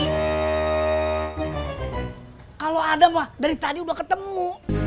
kalau ada mah dari tadi udah ketemu